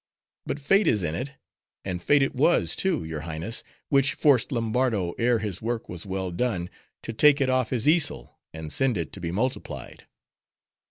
But Fate is in it." And Fate it was, too, your Highness, which forced Lombardo, ere his work was well done, to take it off his easel, and send it to be multiplied.